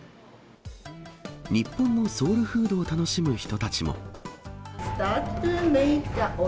日本のソウルフードを楽しむ人たちも。